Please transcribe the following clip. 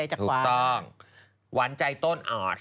หวานใจโต้นออร์ช